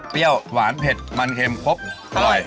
เปรี้ยวหวานเผ็ดมันเค็มครบอร่อย